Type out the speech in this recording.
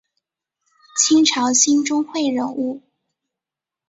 清朝兴中会人物。